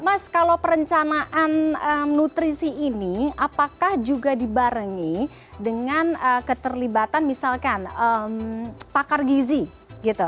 mas kalau perencanaan nutrisi ini apakah juga dibarengi dengan keterlibatan misalkan pakar gizi gitu